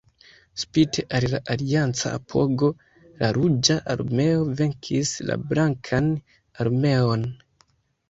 Spite al la alianca apogo, la Ruĝa Armeo venkis la Blankan Armeon.